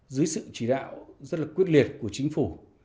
dưới sự chỉ đạo rất là quyết liệt của chính phủ